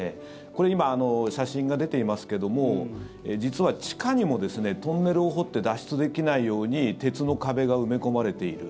これ今、写真が出ていますけども実は地下にもですねトンネルを掘って脱出できないように鉄の壁が埋め込まれている。